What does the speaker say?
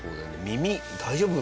耳大丈夫？